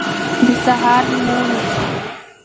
د سهار لمونځ